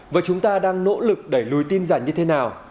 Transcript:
và chúng ta đang nỗ lực đẩy lùi tin giả như thế nào